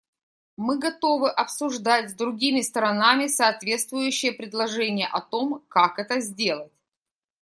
Мы готовы обсуждать с другими сторонами соответствующие предложения о том, как это сделать.